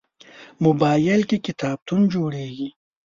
موبایل کې کتابتون جوړېږي.